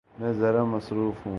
میں ذرا مصروف ہوں۔